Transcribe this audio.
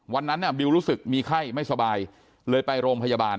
วันนั้นบิวรู้สึกมีไข้ไม่สบายเลยไปโรงพยาบาล